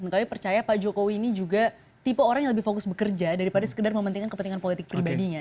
kami percaya pak jokowi ini juga tipe orang yang lebih fokus bekerja daripada sekedar mementingkan kepentingan politik pribadinya